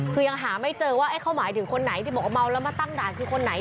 คือยังหาไม่เจอว่าเขาหมายถึงคนไหนที่บอกว่าเมาแล้วมาตั้งด่านคือคนไหน